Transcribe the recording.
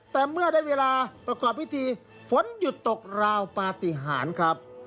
แต่เมื่อได้เวลาประกอบพิธีฝนหยุดตกราวปฏิหารครับ